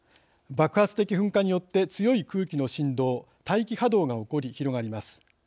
爆発的噴火によって強い空気の振動大気波動が起こり、広がります。